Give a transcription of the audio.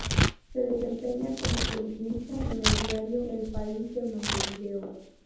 Se desempeña como columnista en el diario El País de Montevideo.